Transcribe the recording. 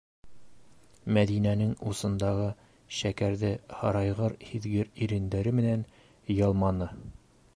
Мәҙинәнең усындағы шәкәрҙе һарайғыр һиҙгер ирендәре менән ялманы.